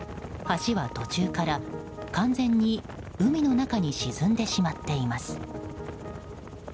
橋は途中から、完全に海の中に沈んでしまっています。